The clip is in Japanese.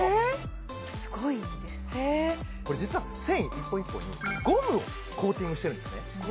これ実は繊維１本１本にゴムをコーティングしてるんですね